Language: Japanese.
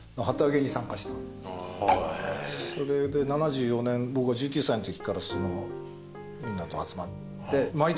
それで７４年僕が１９歳のときからそのみんなと集まって。